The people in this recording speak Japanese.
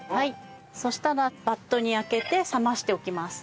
そしたらバットにあけて冷ましておきます。